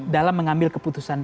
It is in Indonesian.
dalam mengambil keputusan